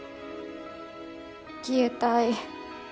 消えたい。